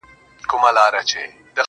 زه وایم ما به واخلي، ما به يوسي له نړيه,